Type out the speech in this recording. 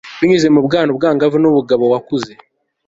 binyuze mu bwana, ubwangavu, n'ubugabo wakuze